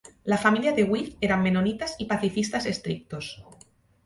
La familia De With eran menonitas y pacifistas estrictos.